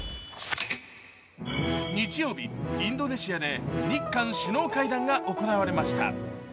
日曜日、インドネシアで日韓首脳会談が行われました。